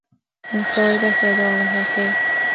An Clár de Thrádálaithe Tae.